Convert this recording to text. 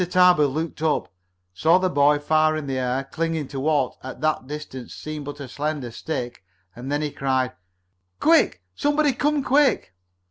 Tarbill looked up, saw the boy far in the air, clinging to what, at that distance, Seemed but a slender stick, and then he cried: "Quick! Somebody come quick!"